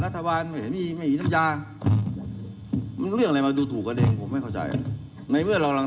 ตอนนี้คุณว่ามันภูมิคุมแล้วครับ